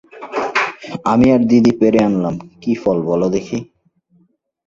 আমি আর দিদি পেড়ে আনলাম-কি ফল বলো দেখি?